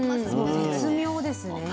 絶妙ですね。